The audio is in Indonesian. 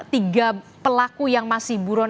tiga pelaku yang masih buron